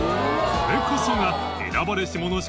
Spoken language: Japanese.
これこそが選ばれし